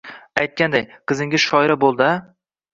— Aytganday, qizingiz shoira bo‘ldi-a?